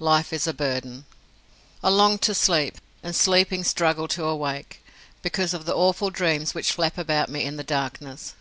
Life is a burden. I long to sleep, and sleeping struggle to awake, because of the awful dreams which flap about me in the darkness.